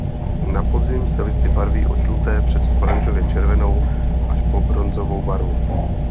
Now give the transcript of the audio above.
Na podzim se listy barví od žluté přes oranžově červenou až po bronzovou barvu.